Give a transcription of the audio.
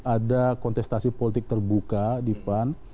ada kontestasi politik terbuka di pan